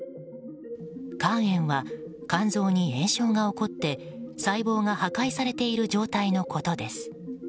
肝炎は肝臓に炎症が起こって細胞が破壊されている状態のことです。